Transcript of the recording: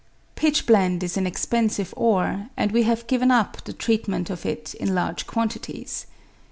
Pitchblende is an expensive ore, and we have given up the treatment of it in large quantities.